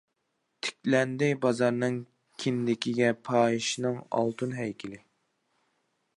تىكلەندى بازارنىڭ كىندىكىگە پاھىشىنىڭ ئالتۇن ھەيكىلى.